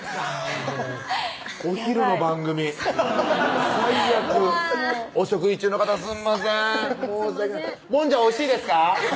もうお昼の番組最悪うわお食事中の方すんません申し訳ないもんじゃおいしいですか？